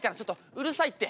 うるさいって。